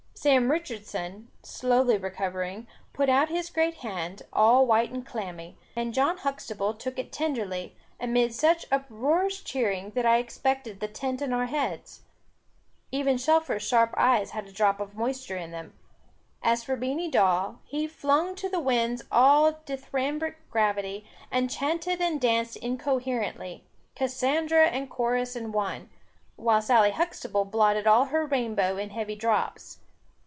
Sam Richardson, slowly recovering, put out his great hand, all white and clammy, and John Huxtable took it tenderly, amid such uproarious cheering, that I expected the tent on our heads. Even Shelfer's sharp eyes had a drop of moisture in them. As for Beany Dawe, he flung to the winds all dithyrambic gravity, and chanted and danced incoherently, Cassandra and Chorus in one; while Sally Huxtable blotted all her rainbow in heavy drops.